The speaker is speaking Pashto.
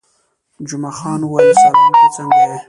جمعه خان وویل: سلام، ته څنګه یې؟